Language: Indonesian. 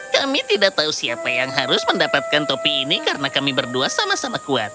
kami tidak tahu siapa yang harus mendapatkan topi ini karena kami berdua sama sama kuat